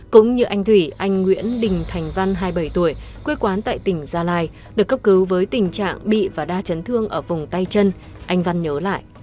cũng như anh thủy anh nguyễn đình thành văn hai mươi bảy tuổi quê quán tại tỉnh gia lai được cấp cứu với tình trạng bị và đa chấn thương ở vùng tay chân anh văn nhớ lại